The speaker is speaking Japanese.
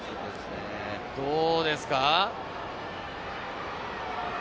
どうですか？